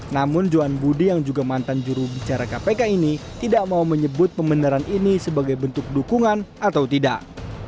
namun johan budi yang juga mantan jurubicara kpk ini tidak mau menyebut pembenaran ini sebagai bentuk dukungan atau tidak